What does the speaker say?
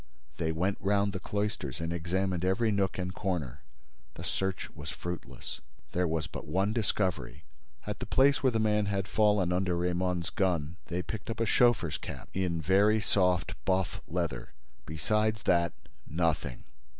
They went round the cloisters and examined every nook and corner. The search was fruitless. There was but one discovery: at the place where the man had fallen under Raymonde's gun, they picked up a chauffeur's cap, in very soft buff leather; besides that, nothing.